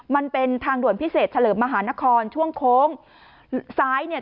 มันเป็นทางด่วนพิเศษเฉลิมมหานครช่วงโค้งซ้ายเนี่ย